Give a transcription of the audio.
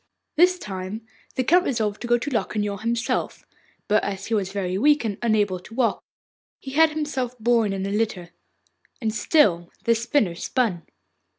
This time the Count resolved to go to Locquignol himself; but, as he was very weak and unable to walk, he had himself borne in a litter. And still the spinner spun.